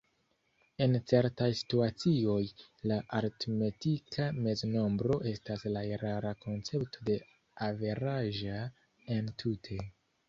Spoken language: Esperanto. En certaj situacioj, la aritmetika meznombro estas la erara koncepto de "averaĝa" entute.